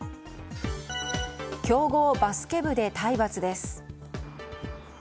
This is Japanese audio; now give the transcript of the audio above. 強豪バスケ部で体罰です。